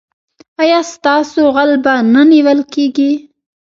ایا ستاسو غل به نه نیول کیږي؟